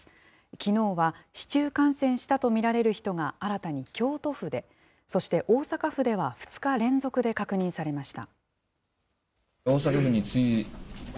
きのうは市中感染したと見られる人が新たに京都府で、そして、大阪府では２日連続で確認されました。